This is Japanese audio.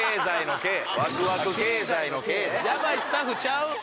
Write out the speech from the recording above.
ヤバいスタッフちゃう？